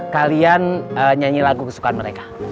kalian nyanyi lagu kesukaan mereka